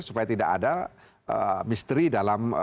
supaya tidak ada misteri dalam